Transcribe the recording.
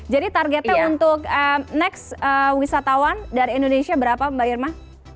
jadi target t untuk next wisatawan dari indonesia berapa mbak irma